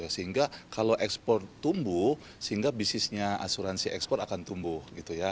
sehingga kalau ekspor tumbuh sehingga bisnisnya asuransi ekspor akan tumbuh gitu ya